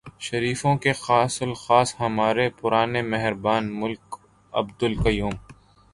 شریفوں کے خاص الخاص ہمارے پرانے مہربان ملک عبدالقیوم۔